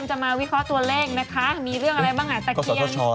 มีเรื่องอะไรบ้างอ่ะ